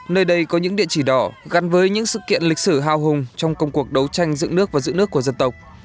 nơi đây có những địa chỉ đỏ gắn với những sự kiện lịch sử hào hùng trong công cuộc đấu tranh dựng nước và giữ nước của dân tộc